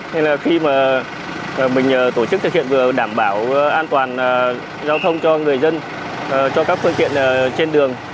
nên là khi mà mình tổ chức thực hiện vừa đảm bảo an toàn giao thông cho người dân cho các phương tiện trên đường